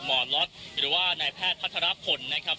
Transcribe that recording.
หรือว่านายแพทย์พัฒนาผลนะครับ